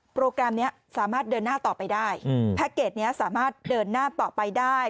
แกรมนี้สามารถเดินหน้าต่อไปได้แพ็คเกจนี้สามารถเดินหน้าต่อไปได้